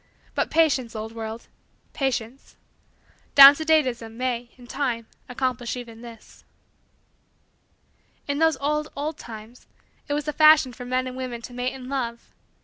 But, patience, old world patience down to date ism may, in time, accomplish even this. In those old, old, times, too, it was the fashion for men and women to mate in love.